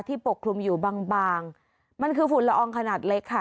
ปกคลุมอยู่บางบางมันคือฝุ่นละอองขนาดเล็กค่ะ